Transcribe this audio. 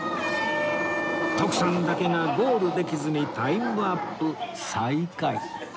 徳さんだけがゴールできずにタイムアップ最下位